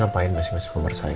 ngapain masih gak suka bersaing